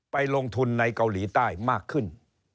ไปลงทุนในเกาหลีใต้มากขึ้น